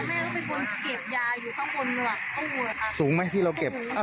แม่เขาเป็นคนเก็บยาอยู่ข้างบนเหนือข้างหัวค่ะสูงไหมที่เราเก็บอ่า